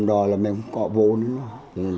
rồi là mình có vốn